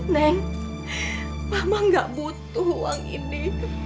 neng mama gak butuh uang ini